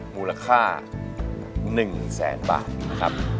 มูลค่า๑แสนบาท